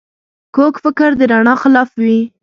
کوږ فکر د رڼا خلاف وي